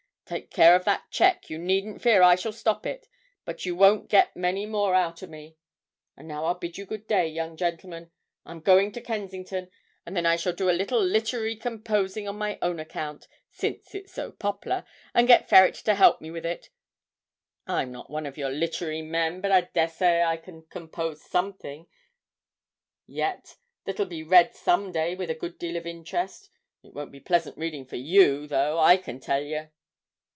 Take care of that cheque, you needn't fear I shall stop it, but you won't get many more out o' me. And now I'll bid you good day, young gentleman; I'm goin' to Kensington, and then I shall do a little littery composing on my own account, since it's so pop'lar, and get Ferret to help me with it. I'm not one of your littery men, but I dessey I can compose something yet that'll be read some day with a good deal of interest; it won't be pleasant reading for you, though, I can tell yer!'